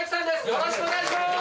よろしくお願いします！